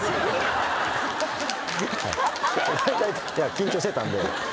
緊張してたんで。